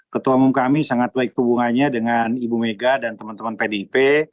ketua umum kami sangat baik hubungannya dengan ibu mega dan teman teman pdip